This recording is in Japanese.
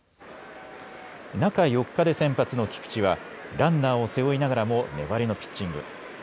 中４日で先発の菊池はランナーを背負いながらも粘りのピッチング。